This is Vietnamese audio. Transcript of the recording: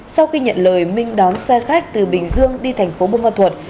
sau khi nhận lời minh đón xe khách từ bình dương đi thành phố bông ma thuột